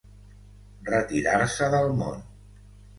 Retirar-se del món.